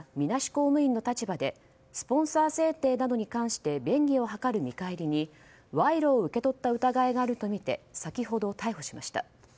公務員の立場でスポンサー選定などに関して便宜を図る見返りに賄賂を受け取った疑いがあるとみて先ほど逮捕しました。